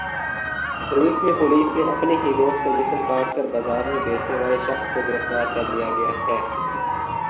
روس میں پولیس نے اپنے ہی دوست کا جسم کاٹ کر بازار میں بیچنے والے شخص کو گرفتار کرلیا گیا ہے